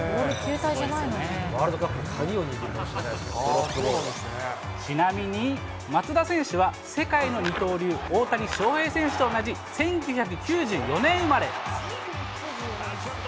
ワールドカップの鍵を握るかもしれない、ちなみに、松田選手は世界の二刀流、大谷翔平選手と同じ１９９４年生まれ。